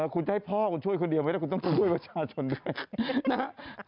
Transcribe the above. คุณจะให้พ่อคุณช่วยคนเดียวไม่ได้คุณต้องช่วยประชาชนด้วยนะฮะ